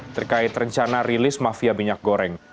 terkait rencana rilis mafia minyak goreng